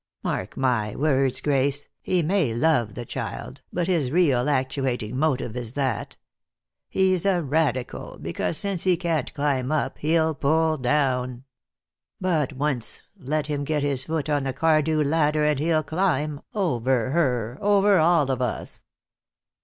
Mark my words, Grace, he may love the child, but his real actuating motive is that. He's a Radical, because since he can't climb up, he'll pull down. But once let him get his foot on the Cardew ladder, and he'll climb, over her, over all of us."